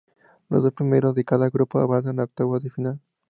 Los dos primeros de cada grupo avanzan a octavos de final.